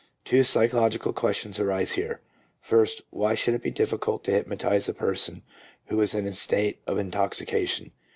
Two psychological questions arise here: first, why should it be difficult to hypnotize a person who is in a state of intoxication?